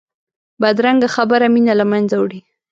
بدرنګه خبره مینه له منځه وړي